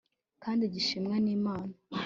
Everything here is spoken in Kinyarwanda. kandi gishimwa nImana